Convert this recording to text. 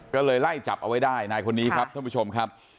ก็เลยไล่จับเอาไว้ได้นายคนนี้ครับท่านผู้ชมครับ